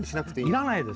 要らないですよ。